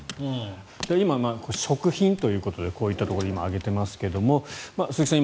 今、食品ということでこういったところを挙げていますが鈴木さん